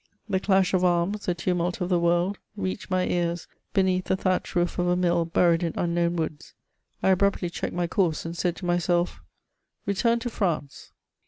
The clash of arms, the tumult of the world, reached my ears beneath the thatched roof of a mill buried in unknown woods. I abruptly checked my course, and said to myself, " Return to France."